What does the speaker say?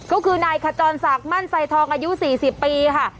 ก็คือนายขจรศักดิ์มั่นไซทองอายุ๔๐ปีค่ะ